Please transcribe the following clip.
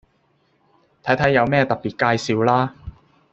睇睇有咩特別介紹啦